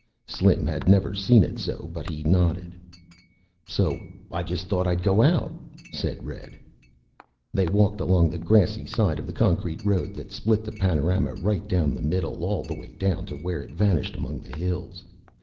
Slim had never seen it so, but he nodded. "So I just thought I'd go out," said Red. They walked along the grassy side of the concrete road that split the panorama right down the middle all the way down to where it vanished among the hills.